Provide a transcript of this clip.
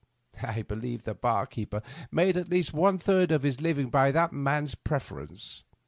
I believe the bar keeper made at least one third of his living by that man's pref erence.